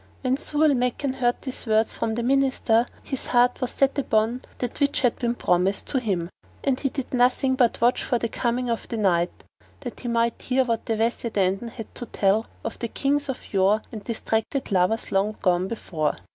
When Zau al Makan heard these words from the Minister, his heart was set upon that which had been promised to him and he did nothing but watch for the coming of the night, that he might hear what the Wazir Dandan had to tell of the Kings of yore and distracted lovers long gone before.